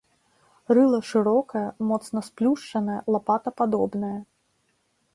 Рыла шырокае, моцна сплюшчанае, лапатападобнае.